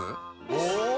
お！